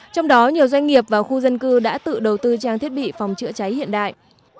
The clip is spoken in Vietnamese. trong đó nhiều doanh nghiệp và khu dân cư đã tự đầu tư trang thiết bị phòng chữa cháy hiện đại